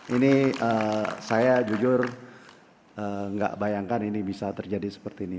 ini saya jujur nggak bayangkan ini bisa terjadi seperti ini